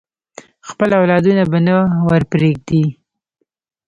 خپل اولادونه به نه ورپریږدي.